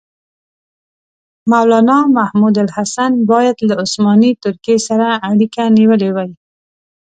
مولنا محمودالحسن باید له عثماني ترکیې سره اړیکه نیولې وای.